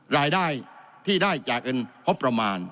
รายได้ที่ได้จากเงินงบประมาณ